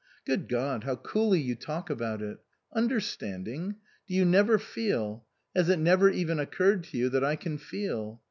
" Good God ! how coolly you talk about it ! Understanding 1 Do you never feel ? Has it never even occurred to you that I can feel?